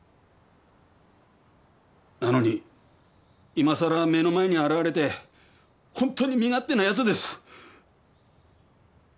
なのにいまさら目の前に現れてホントに身勝手なやつです。